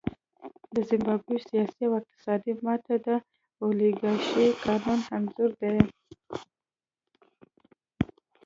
د زیمبابوې سیاسي او اقتصادي ماتې د اولیګارشۍ قانون انځور دی.